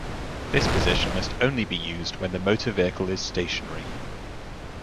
This position must only be used when the motor vehicle is stationary.